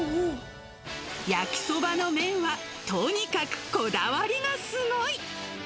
焼きそばの麺は、とにかくこだわりがすごい。